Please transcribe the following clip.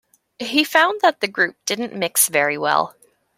He found that the group didn't mix very well.